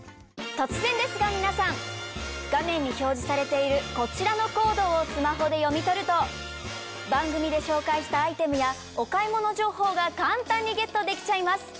突然ですが皆さん画面に表示されているこちらのコードをスマホで読み取ると番組で紹介したアイテムやお買い物情報が簡単にゲットできちゃいます！